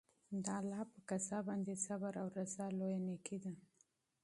د الله په قضا باندې صبر او رضا لویه نېکي ده.